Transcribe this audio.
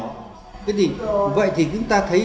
vậy thì chúng ta thấy tưởng tượng rằng thế này